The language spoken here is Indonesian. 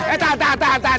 eh eh eh tahan tahan tahan